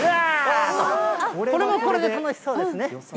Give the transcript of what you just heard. これもこれで楽しそうですね。